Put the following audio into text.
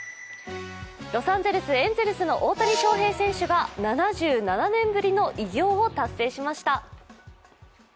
ロサンゼルス・エンゼルスの大谷翔平選手が７７年ぶりの偉業を達成しました。